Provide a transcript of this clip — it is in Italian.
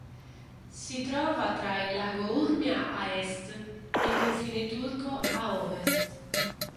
Si trova tra il lago Urmia a est e il confine turco a ovest.